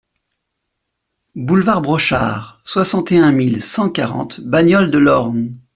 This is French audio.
Boulevard Brochard, soixante et un mille cent quarante Bagnoles-de-l'Orne